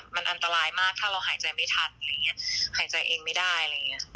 แต่มันอันตรายมากถ้าเราหายใจไม่ทันหายใจเองไม่ได้อะไรอย่างนี้